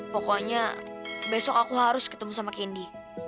pokoknya besok aku harus ketemu sama kendi